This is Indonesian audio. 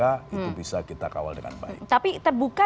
itu bisa kita kawal dengan baik tapi terbuka